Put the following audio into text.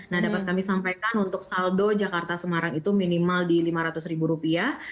nah dapat kami sampaikan untuk saldo jakarta semarang itu minimal di lima ratus ribu rupiah